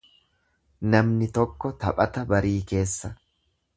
Namni tokko taphata barii keessa.